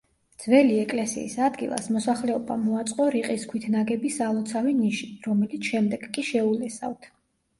ძველი ეკლესიის ადგილას მოსახლეობამ მოაწყო რიყის ქვით ნაგები სალოცავი ნიში, რომელიც შემდეგ კი შეულესავთ.